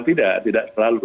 tidak tidak selalu